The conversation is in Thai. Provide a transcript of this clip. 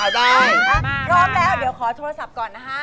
ได้ถ้าพร้อมแล้วเดี๋ยวขอโทรศัพท์ก่อนนะฮะ